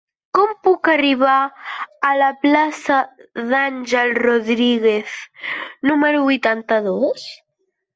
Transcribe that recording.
Com puc arribar a la plaça d'Àngel Rodríguez número vuitanta-dos?